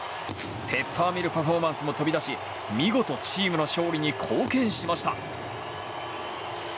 ペッパーミルパフォーマンスも飛び出し見事チームの勝利に貢献しました。